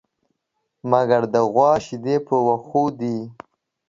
مگر د غوا شيدې په وښو دي.